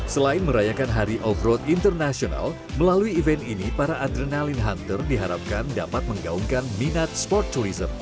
selain merayakan hari off road internasional melalui event ini para adrenalin hunter diharapkan dapat menggaungkan minat sport tourism